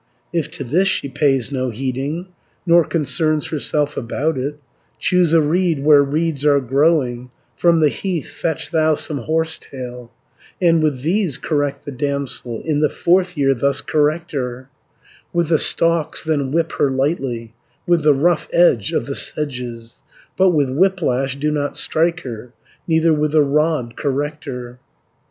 "If to this she pays no heeding, Nor concerns herself about it, 220 Choose a reed where reeds are growing, From the heath fetch thou some horse tail, And with these correct the damsel, In the fourth year thus correct her, With the stalks then whip her lightly, With the rough edge of the sedges, But with whiplash do not strike her, Neither with the rod correct her.